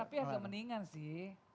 tapi agak meningan sih